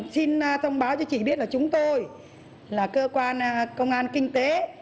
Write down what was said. xin thông báo cho chị biết là chúng tôi là cơ quan công an kinh tế